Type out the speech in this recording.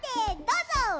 どうぞ！